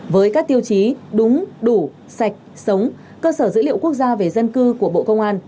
với các tiêu chí đúng đủ sạch sống cơ sở dữ liệu quốc gia về dân cư của bộ công an